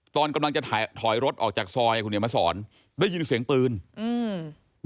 ตอนกำลังจะถอยถอยรถออกจากซอยคุณเหนียวมาสอนได้ยินเสียงปืนอืม